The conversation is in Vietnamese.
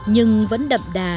nhưng vẫn đậm đà